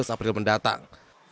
tujuh belas april mendatang